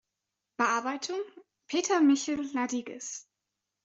Bearbeitung: Peter Michel Ladiges.